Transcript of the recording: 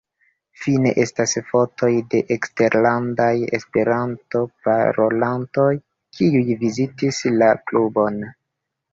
Fine estas fotoj de eksterlandaj Esperanto-parolantoj kiuj vizitis la klubon.